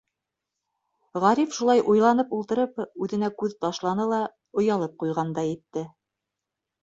Ғариф шулай уйланып ултырып, үҙенә күҙ ташланы ла оялып ҡуйғандай итте.